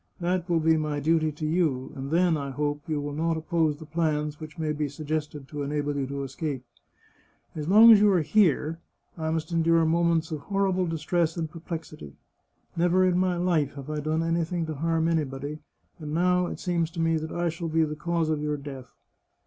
That will be my duty to you; and then, I hope, you will not oppose the plans which may be suggested to enable you to escape. As long as you are here, I must endure moments of horrible distress and perplexity. Never in my life have I done anything to harm anybody, and now it seems to me that I shall be the cause of your death.